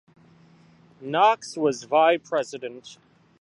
Knox was Vie President.